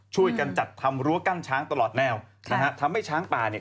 ช่วยกันจัดทำรั้วกั้นช้างตลอดแนวนะฮะทำให้ช้างป่าเนี่ย